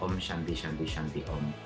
om shanti shanti shanti om